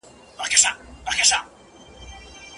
فقهاوو د نکاح عقد پر کومو برخو وېشلی دی؟